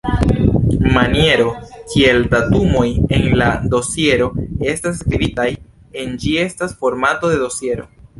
Maniero kiel datumoj en la dosiero estas skribitaj en ĝi estas formato de dosiero.